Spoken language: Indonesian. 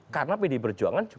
karena pdi perjuangan